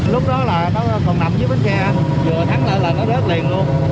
lúc đó là nó còn nằm dưới bến xe vừa thắng lại là nó rớt liền luôn